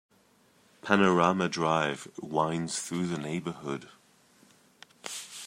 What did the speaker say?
Panorama Drive winds through the neighborhood.